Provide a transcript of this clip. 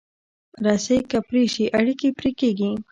رسۍ که پرې شي، اړیکې پرې کېږي.